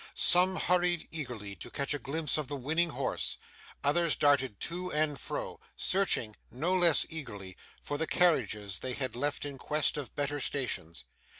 Some hurried eagerly to catch a glimpse of the winning horse; others darted to and fro, searching, no less eagerly, for the carriages they had left in quest of better stations.